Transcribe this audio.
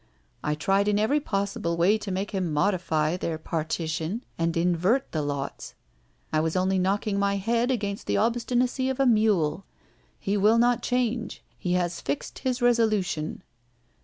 I tried in every possible way to make him modify their partition and invert the lots. I was only knocking my head against the obstinacy of a mule. He will not change; he has fixed his resolution.